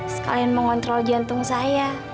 sekalian mengontrol jantung saya